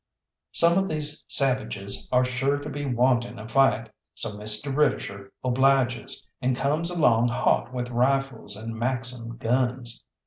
Some of these savages are sure to be wanting a fight, so Mr. Britisher obliges, and comes along hot with rifles and Maxim guns.